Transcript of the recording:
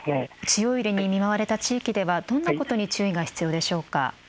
強い揺れに見舞われた地域ではどんなことに注意が必要でしょうか。